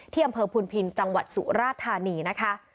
อำเภอพุนพินจังหวัดสุราธานีนะคะ